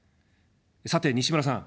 さて、西村さん。